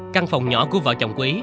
căn phòng nhỏ của vợ chồng quý